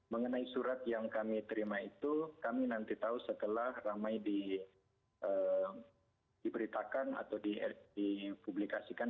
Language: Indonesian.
mengenai surat yang kami terima itu kami nanti tahu setelah ramai diberitakan atau dipublikasikan